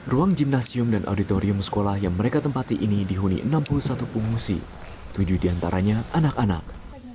ruang gimnasium dan auditorium sekolah yang mereka tempati ini dihuni enam puluh satu pengungsi tujuh di antaranya anak anak